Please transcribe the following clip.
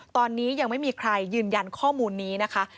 ตอนนี้ยังไม่มีใครยืนยันข้อมูลนี้นะคะ